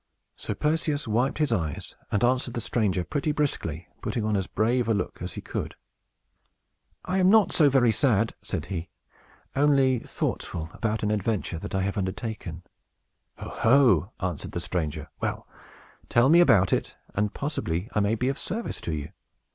So Perseus wiped his eyes, and answered the stranger pretty briskly, putting on as brave a look as he could. "I am not so very sad," said he, "only thoughtful about an adventure that I have undertaken." "Oho!" answered the stranger. "Well, tell me all about it, and possibly I may be of service to you.